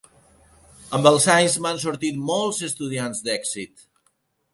Amb els anys, n'han sortit molts estudiants d'èxit.